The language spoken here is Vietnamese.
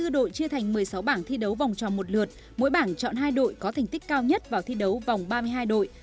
hai mươi đội chia thành một mươi sáu bảng thi đấu vòng tròn một lượt mỗi bảng chọn hai đội có thành tích cao nhất vào thi đấu vòng ba mươi hai đội